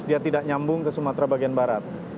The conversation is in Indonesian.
dia tidak nyambung ke sumatera bagian barat